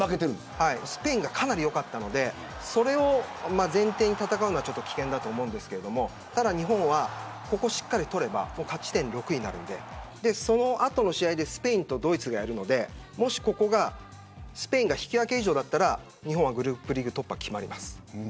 スペインがかなり良かったのでそれを前提に戦うのは危険だと思うんですけどただ、日本はここをしっかり取れば勝ち点が６になるのでその後の試合でスペインとドイツがやるのでもし、ここがスペインが引き分け以上だったら日本はグループリーグ突破が決まります。